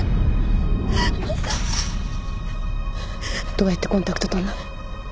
どうやってコンタクト取んの？